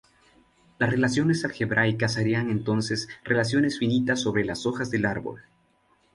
Las relaciones algebraicas serían entonces relaciones finitas sobre las hojas del árbol.